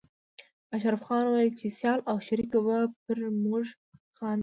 اشرف خان ويل چې سيال او شريک به پر موږ خاندي